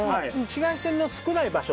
紫外線の少ない場所